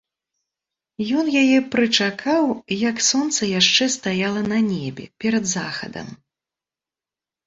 Ён яе прычакаў, як сонца яшчэ стаяла на небе, перад захадам.